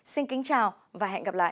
xin kính chào và hẹn gặp lại